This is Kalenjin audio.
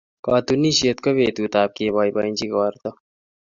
Katunisyet ko betutab keboibochi igorta.